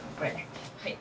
はい。